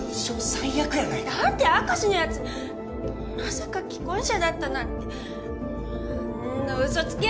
最悪やないかだって明石のやつまさか既婚者だったなんてあの嘘つき